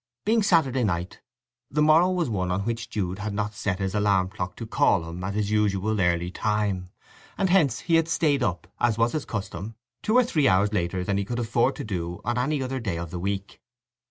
Being Saturday night the morrow was one on which Jude had not set his alarm clock to call him at his usually early time, and hence he had stayed up, as was his custom, two or three hours later than he could afford to do on any other day of the week.